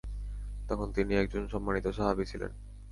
তখন তিনি একজন সম্মানিত সাহাবী ছিলেন।